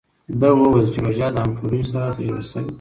ده وویل چې روژه د همټولیو سره تجربه شوې.